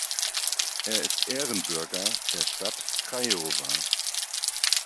Er ist Ehrenbürger der Stadt Craiova.